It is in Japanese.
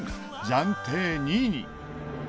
暫定２位に。